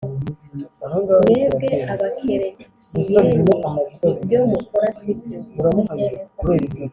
mwebwe abakeretsiyene ibyo mukora sibyo